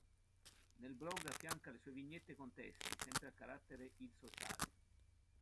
Nel blog affianca le sue vignette con testi, sempre a carattere il sociale.